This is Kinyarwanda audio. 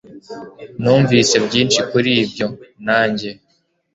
Numvise byinshi kuri ibyo, nanjye